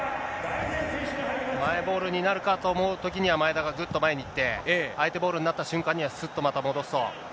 マイボールになるかと思うときには、前田がぐっと前に行って、相手ボールになった瞬間にはすっとまた戻すと。